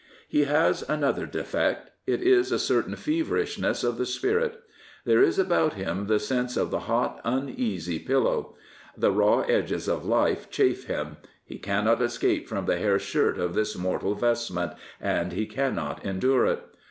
He has another defect. It is a certain feverishness of the spirit. There is about him the sense of the hot, uneasy pillow. The raw edges of life chafe him. He cannot escape from the hair shirt of this mortal vest |ment, and he cannot endure it.